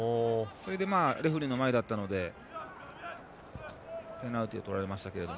それでレフェリーの前だったのでとられましたけど。